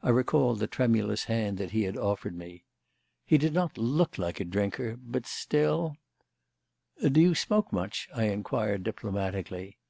I recalled the tremulous hand that he had offered me. He did not look like a drinker, but still "Do you smoke much?" I inquired diplomatically.